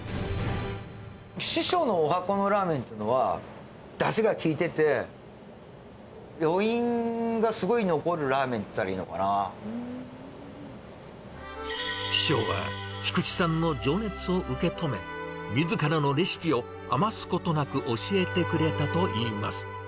師匠のおはこのラーメンっていうのは、だしが効いてて、余韻がすごい残るラーメンって言師匠は、菊池さんの情熱を受け止め、みずからのレシピを余すことなく教えてくれたといいます。